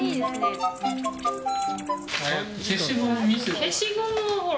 消しゴムは、ほら。